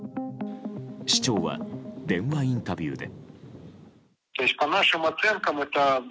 市長は電話インタビューで。